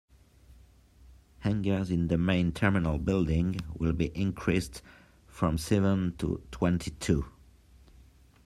Hangers in the main terminal building will be increased from seven to twenty two.